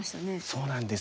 そうなんですよね。